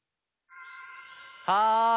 はい！